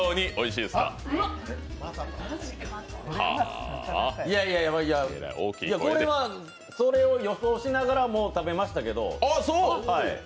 いやいや、これはそれを予想しながら食べましたけど。